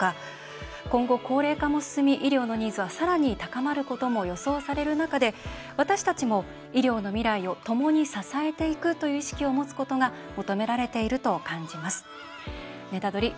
今後高齢化も進み医療のニーズはさらに高まることも予想される中で私たちも医療の未来をともに支えていくという意識を持つことが求められていると感じます。